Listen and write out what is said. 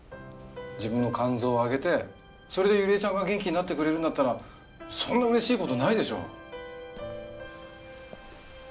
自分の肝臓をあげてそれでゆりえちゃんが元気になってくれるんだったらそんな嬉しい事ないでしょ。